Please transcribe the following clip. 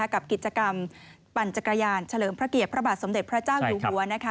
กับกิจกรรมปั่นจักรยานเฉลิมพระเกียรติพระบาทสมเด็จพระเจ้าอยู่หัว